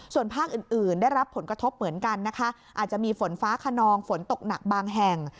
ส่วนภาคอื่นได้รับผลกระทบเหมือนกันนะคะอาจจะมีฝนฟ้าขนองฝนตกหนักบางแห่ง